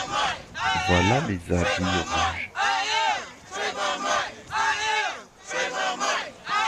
Voilà les habits rouges!